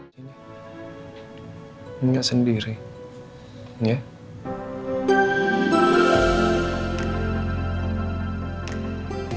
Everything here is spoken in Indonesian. kamu gak sendiri ya